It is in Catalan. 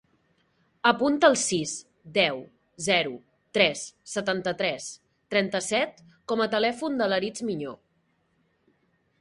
Apunta el sis, deu, zero, tres, setanta-tres, trenta-set com a telèfon de l'Aritz Miño.